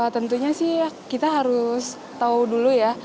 tentunya sih kita harus tahu dulu ya